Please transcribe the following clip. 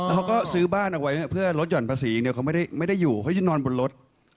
เขาก็ซื้อบ้านเอาไว้เพื่อลดหย่อนภาษีเนี่ยเขาไม่ได้อยู่เขายืนนอนบนรถ